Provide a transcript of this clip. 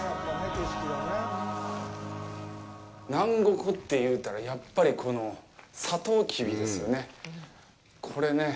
南国って言うたら、やっぱりこのサトウキビですよね。